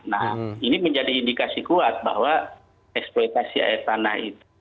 nah ini menjadi indikasi kuat bahwa eksploitasi air tanah itu